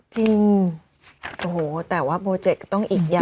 จริงโอ้โหแต่ว่าโปรเจกต์ก็ต้องอีกอย่าง